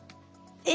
え。